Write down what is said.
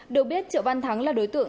được biết triệu văn thắng là đối tượng